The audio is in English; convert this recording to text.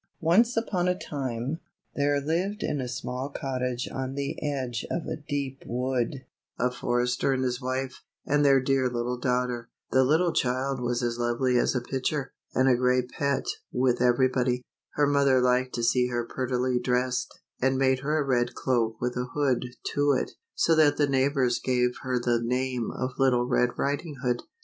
QNCE upon a time, there lived in a small cottage on the edge of a deep wood, a forester and his wife, and their dear little daughter. The little child was as lovely as a picture, and a great pet with everybody. Her mother liked to see her prettily dressed, and made her a red cloak with a hood to it, so that the neighbors gave her the name of Little Red Riding Hood.